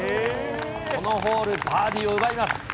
このホール、バーディーを奪います。